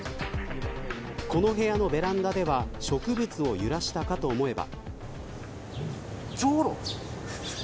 この部屋のベランダでは植物を揺らしたかと思えば。